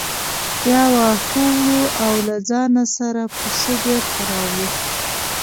بیا واښه وړو او له ځانه سره پسه بېرته راوړو.